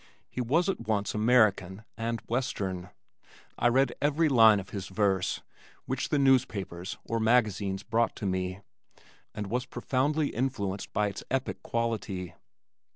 He was at once American and western. I read every line of his verse which the newspapers or magazines brought to me, and was profoundly influenced by its epic quality.